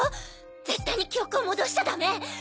絶対に記憶を戻しちゃダメ！